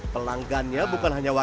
pelanggannya bukan hanya warga